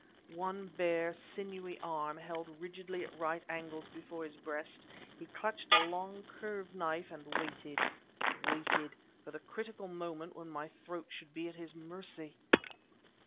One bare, sinewy arm held rigidly at right angles before his breast, he clutched a long curved knife and waited waited for the critical moment when my throat should be at his mercy!